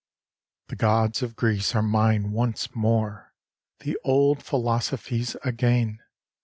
II The gods of Greece are mine once more! The old philosophies again!